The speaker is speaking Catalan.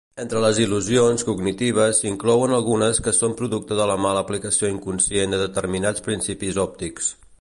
Entre les il·lusions cognitives s"inclouen algunes que són producte de la mala aplicació inconscient de determinats principis òptics.